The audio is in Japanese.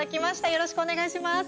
よろしくお願いします。